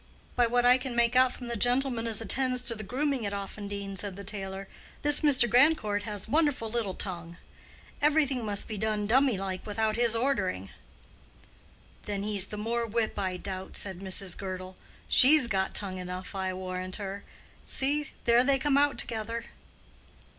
"By what I can make out from the gentleman as attends to the grooming at Offendene," said the tailor, "this Mr. Grandcourt has wonderful little tongue. Everything must be done dummy like without his ordering." "Then he's the more whip, I doubt," said Mrs. Girdle. "She's got tongue enough, I warrant her. See, there they come out together!"